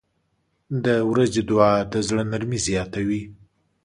• د ورځې دعا د زړه نرمي زیاتوي.